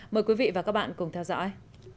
mời quý vị và các bạn cùng theo dõi